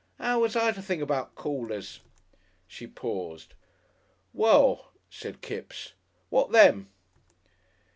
'Ow was I to think about Callers?" She paused. "Well," said Kipps, "what them?"